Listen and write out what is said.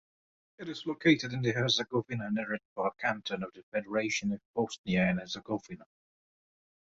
It is located in the Herzegovina-Neretva Canton of the Federation of Bosnia and Herzegovina.